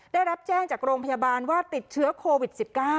ได้รับแจ้งจากโรงพยาบาลว่าติดเชื้อโควิด๑๙